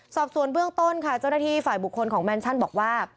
สอบส่วนเบื้องต้นค่ะเจ้าหน้าที่ฝ่ายบุคคลของแมนชั่นบอกว่า